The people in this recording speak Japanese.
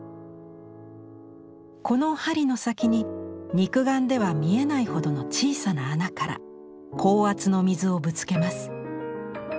この針の先に肉眼では見えないほどの小さな穴から高圧の水をぶつけます。